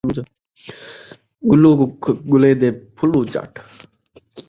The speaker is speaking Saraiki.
گلّو کوں ڳلین٘دیں ، پھلّو چٹ